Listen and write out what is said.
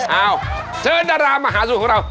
เอ้าเชิญดารามหาสูตรของเรา